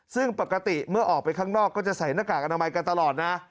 ซึ่งปกติเมื่อออกไปข้างนอกก็จะใส่หน้ากากอนามัยกันตลอดนะ